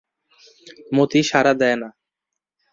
মতি সাড়া দেয় না!